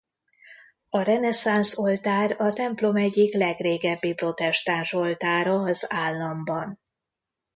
A reneszánsz oltár a templom egyik legrégebbi protestáns oltára az államban.